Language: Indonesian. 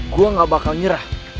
gue gak bakal nyerah